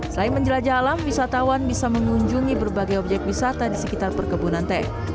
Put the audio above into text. selain menjelajah alam wisatawan bisa mengunjungi berbagai objek wisata di sekitar perkebunan teh